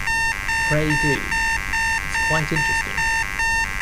Pray, do; it's quite interesting.